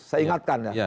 saya ingatkan ya